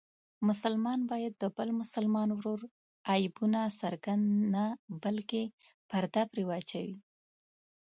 مسلمان باید د بل مسلمان ورور عیبونه څرګند نه بلکې پرده پرې واچوي.